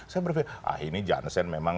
saya berpikir ah ini johnson memang